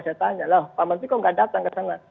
saya tanya loh pak menteri kok nggak datang ke sana